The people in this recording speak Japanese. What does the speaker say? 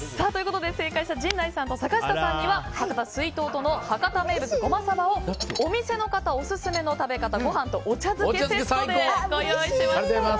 正解者の陣内さんと坂下さんには博多すいとうとの博多名物ごまさばをお店の方オススメの食べ方ご飯とお茶漬けセットでご用意しました。